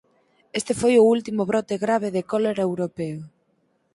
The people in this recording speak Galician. Este foi o último brote grave de cólera europeo.